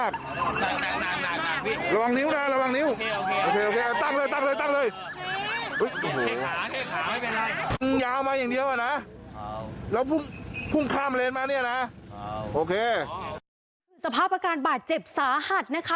สภาพอาการบาดเจ็บสาหัสนะคะ